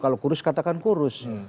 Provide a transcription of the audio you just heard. kalau kurus katakan kurus